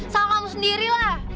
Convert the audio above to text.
salah kamu sendiri lah